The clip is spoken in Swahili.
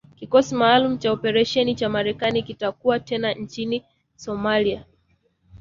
kikosi maalum cha operesheni cha Marekani kitakuwa tena nchini Somalia